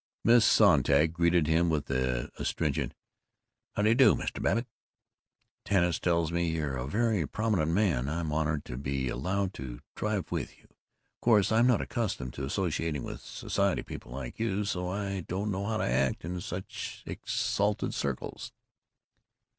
Miss Sonntag greeted him with an astringent "How d'you do, Mr. Babbitt. Tanis tells me you're a very prominent man, and I'm honored by being allowed to drive with you. Of course I'm not accustomed to associating with society people like you, so I don't know how to act in such exalted circles!"